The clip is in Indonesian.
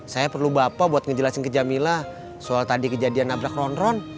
saya perlu bapak buat ngejelasin ke jamila soal tadi kejadian nabrak ron ron